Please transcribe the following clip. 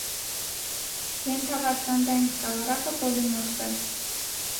Ենթավարսանդային սկավառակը պոլիմորֆ է։